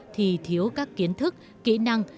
thì thiếu các kiến thức kỹ năng